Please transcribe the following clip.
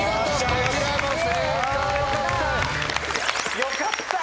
よかった！